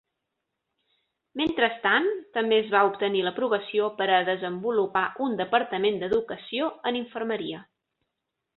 Mentrestant, també es va obtenir l'aprovació per a desenvolupar un departament d'educació en infermeria.